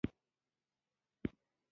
زما د دوکان مخه کي سبزي حرڅوي